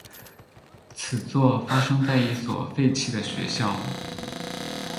此作发生在一所废弃的学校。